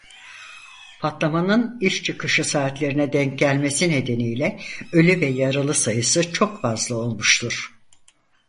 Patlamanın iş çıkışı saatlerine denk gelmesi nedeniyle ölü ve yaralı sayısı çok fazla olmuştur.